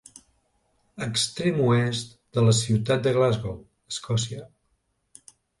Extrem oest de la ciutat de Glasgow, Escòcia.